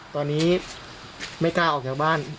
ตอนนี้ไม่กล้าออกจากบ้าน